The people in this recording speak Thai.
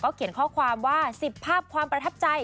เขียนข้อความว่า๑๐ภาพความประทับใจ